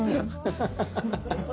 ハハハハ！